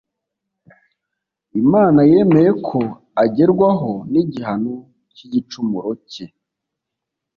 Imana yemeye ko agerwaho nigihano cyigicumuro cye